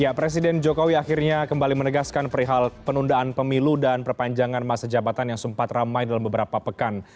ya presiden jokowi akhirnya kembali menegaskan perihal penundaan pemilu dan perpanjangan masa jabatan yang sempat ramai dalam beberapa pekan